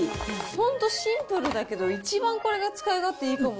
本当シンプルだけど一番これが使い勝手いいかも。